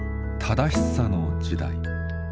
「正しさ」の時代。